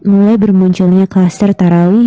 mulai bermunculnya klaster tarawih